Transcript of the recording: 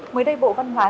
mới đây bộ văn hóa